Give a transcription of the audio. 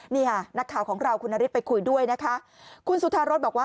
นี่ค่ะนักข่าวของเราคุณนฤทธิไปคุยด้วยนะคะคุณสุธารสบอกว่า